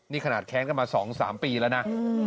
นี่ขนาดแค้นกันมา๒๓ปีแล้วนะ